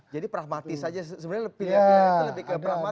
jadi pragmatis saja sebenarnya lebih ke pragmatis